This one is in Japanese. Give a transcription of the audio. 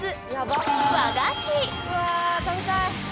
うわ食べたい！